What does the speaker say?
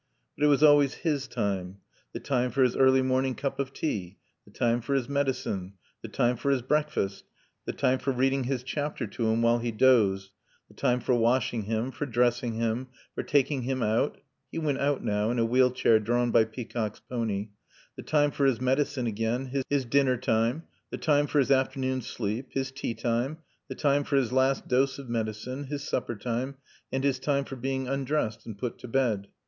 But it was always his time; the time for his early morning cup of tea; the time for his medicine; the time for his breakfast; the time for reading his chapter to him while he dozed; the time for washing him, for dressing him, for taking him out (he went out now, in a wheel chair drawn by Peacock's pony); the time for his medicine again; his dinner time; the time for his afternoon sleep; his tea time; the time for his last dose of medicine; his supper time and his time for being undressed and put to bed.